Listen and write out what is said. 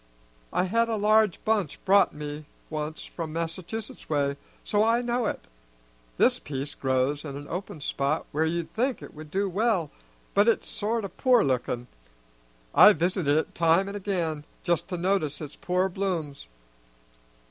I had a large bunch brought me once from Massachusetts way, so I know it. This piece grows in an open spot where you'd think 'twould do well, but it's sort o' poor lookin'. I've visited it time an' again, just to notice its poor blooms.